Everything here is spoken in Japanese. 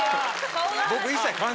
僕。